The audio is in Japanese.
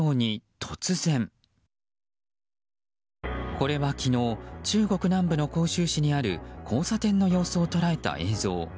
これは昨日中国南部の広州市にある交差点の様子を捉えた映像。